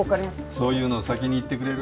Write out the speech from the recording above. そういうの先に言ってくれる？